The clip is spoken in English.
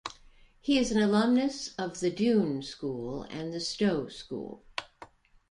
He is an alumnus of The Doon School and the Stowe School.